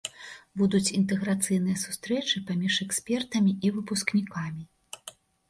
Будуць інтэграцыйныя сустрэчы паміж экспертамі і выпускнікамі.